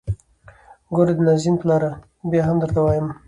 ګوره د نازنين پلاره ! بيا هم درته وايم.